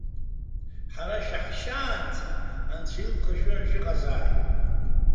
Ҳара шәаҳшьаанӡа анцәа илԥха шәыманы шәыҟазааит!